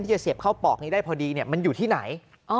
จะเสียบเข้าปอกนี้ได้พอดีมันอยู่ที่ไหน